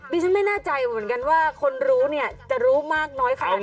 ดิฉันไม่แน่ใจเหมือนกันว่าคนรู้เนี่ยจะรู้มากน้อยขนาดไหน